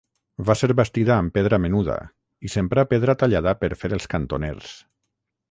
Va ser bastida amb pedra menuda i s'emprà pedra tallada per fer els cantoners.